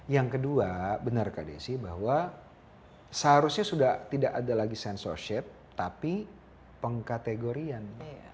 yang kedua benar kak desi bahwa seharusnya sudah tidak ada lagi censorship tapi pengkategorian